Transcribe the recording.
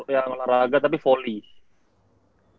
yang olahraga tapi foley